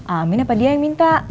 amin apa dia yang minta